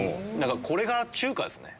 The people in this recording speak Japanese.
これが中華ですね。